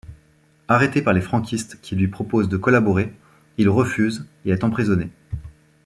Arrêté par les franquistes qui lui proposent de collaborer, il refuse et est emprisonné.